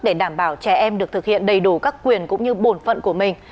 để đảm bảo trẻ em được thực hiện đầy đủ các quyền cũng như bổn phận của mình